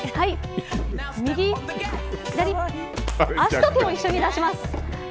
足と手を一緒に出します。